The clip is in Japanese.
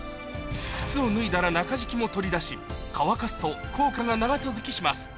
靴を脱いだら中敷きも取り出し乾かすと効果が長続きします